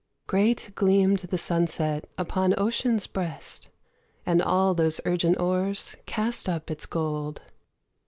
Great gleamed the sunset upon ocean's breast And all those urgent oars cast up its gold.